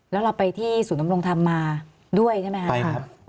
แล้วเราไปที่ศูนย์นำรงธรรมมาด้วยใช่ไหมครับ